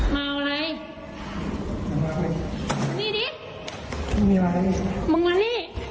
ไม่มีอะไรแล้วต้องหนีทำไม